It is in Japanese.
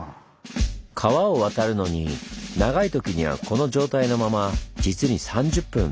川を渡るのに長いときにはこの状態のまま実に３０分！